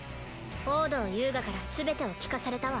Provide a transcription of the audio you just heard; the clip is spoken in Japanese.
王道遊我からすべてを聞かされたわ。